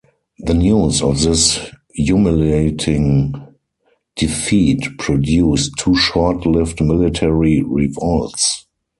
The news of this humiliating defeat produced two short-lived military revolts.